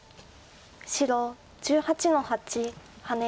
白１８の八ハネ。